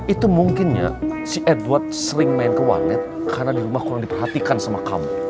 itu mungkinnya si edward sering main ke wanet karena di rumah kurang diperhatikan sama kamu